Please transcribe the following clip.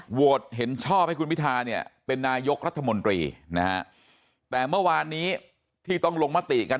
เห็นชอบให้คุณพิธาเนี่ยเป็นนายกรัฐมนตรีนะฮะแต่เมื่อวานนี้ที่ต้องลงมติกัน